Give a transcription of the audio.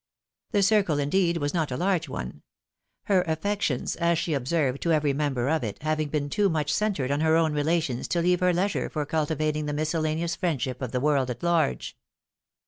The circle, indeed, was not a large one ; her affections, as she observed to every member of it, having been too much centred on her own relations to leave her leisure for cultivating the misoellaneous friendship of the world at large.